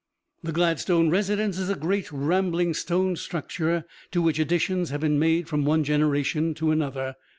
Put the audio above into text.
The Gladstone residence is a great, rambling, stone structure to which additions have been made from one generation to another.